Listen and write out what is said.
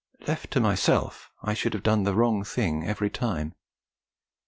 Left to myself, I should have done the wrong thing every time.